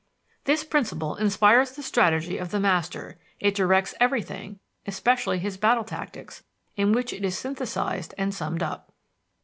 This principle inspires the strategy of the master; it directs everything, especially his battle tactics, in which it is synthetized and summed up."